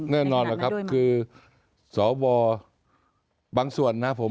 แน่นอนล่ะครับคือสวบางส่วนนะครับผม